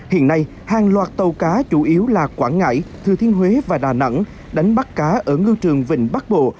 hiện nay hàng loạt tàu cá chủ yếu là quảng ngãi thừa thiên huế và đà nẵng đánh bắt cá ở ngư trường vịnh bắc bộ